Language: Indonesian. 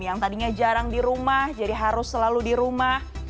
yang tadinya jarang di rumah jadi harus selalu di rumah